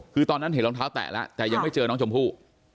คือตอนนั้นเห็นรองเท้าแตะแล้วแต่ยังไม่เจอน้องชมพู่